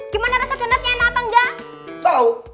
gimana rasa donatnya enak apa enggak